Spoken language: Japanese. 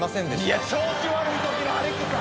いや調子悪いときのアレクサ。